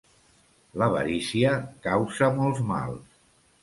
L'avarícia causa molts mals.